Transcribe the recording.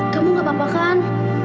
kamu gak apa apa kan